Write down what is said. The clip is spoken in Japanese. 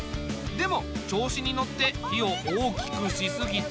でも調子に乗って火を大きくしすぎて。